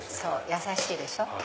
やさしいでしょ。